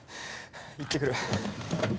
行ってくる。